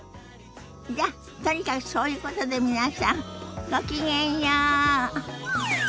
じゃとにかくそういうことで皆さんごきげんよう。